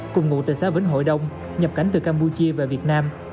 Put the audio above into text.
cùng ngụ từ xã vĩnh hội đông nhập cảnh từ campuchia về việt nam